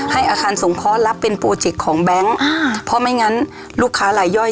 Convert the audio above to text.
อาคารสงเคราะห์รับเป็นโปรเจกต์ของแบงค์อ่าเพราะไม่งั้นลูกค้าลายย่อย